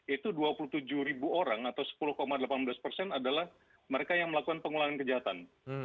itu dua puluh tujuh ribu orang atau sepuluh delapan belas persen adalah mereka yang melakukan pengulangan kejahatan